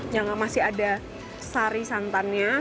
yang masih ada sari santannya